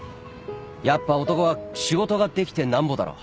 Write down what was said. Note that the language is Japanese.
やっぱ男は仕事ができて何ぼだろ。